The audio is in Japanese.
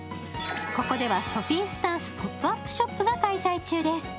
ここではソフィスタンスポップアップストアが開催中です。